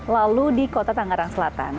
lalu di kota tangerang selatan